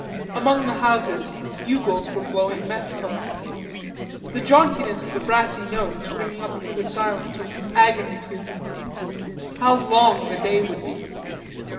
Among the houses bugles were blowing mess call. The jauntiness of the brassy notes ringing up through the silence was agony to him. How long the day would be.